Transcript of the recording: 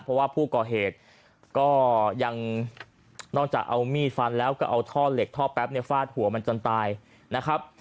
เพราะว่าผู้ก่อเหตุก็ยังนอกจากเอามีดฟันแล้วก็เอาท่อเหล็กท่อแป๊บเนี่ยฟาดหัวมันจนตายนะครับ